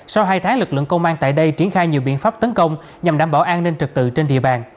sau hai tháng lực lượng công an tại đây triển khai nhiều biện pháp tấn công nhằm đảm bảo an ninh trực tự trên địa bàn